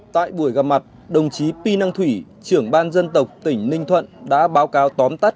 tại buổi gặp mặt đồng chí pi năng thủy trưởng ban dân tộc tỉnh ninh thuận đã báo cáo tóm tắt